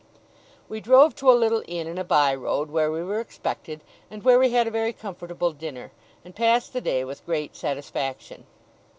We drove to a little inn in a by road, where we were expected, and where we had a very comfortable dinner, and passed the day with great satisfaction.